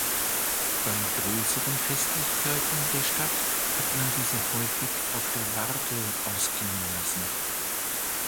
Bei größeren Festlichkeiten der Stadt hat man diese häufig auf der Warthe ausklingen lassen.